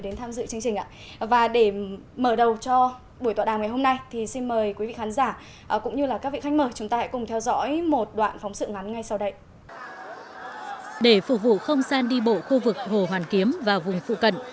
để phục vụ không gian đi bộ khu vực hồ hoàn kiếm và vùng phụ cận